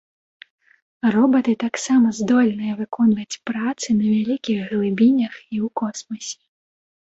Робаты таксама здольныя выконваць працы на вялікіх глыбінях і ў космасе.